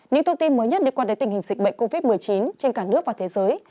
những thông tin mới nhất liên quan đến tình hình dịch bệnh covid một mươi chín trên cả nước và thế giới